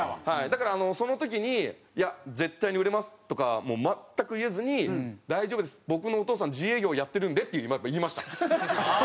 だからその時に「いや絶対に売れます」とか全く言えずに「大丈夫です。僕のお父さん自営業やってるんで」っていう風にやっぱり言いました。